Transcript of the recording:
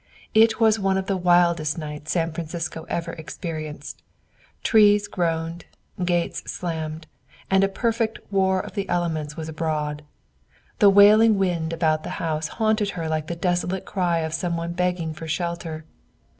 It was one of the wildest nights San Francisco ever experienced; trees groaned, gates slammed, and a perfect war of the elements was abroad. The wailing wind about the house haunted her like the desolate cry of some one begging for shelter.